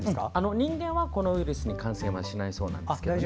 人間は、このウイルスに感染はしないそうなんですけどね。